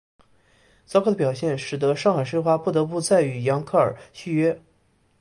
糟糕的表现使得上海申花不再与扬克尔续约。